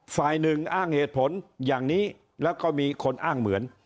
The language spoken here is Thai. ฝ่ายหนึ่งอ้างเหตุผลอย่างนี้แล้วก็มีคนอ้างเหมือน